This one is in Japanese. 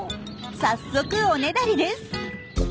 早速おねだりです。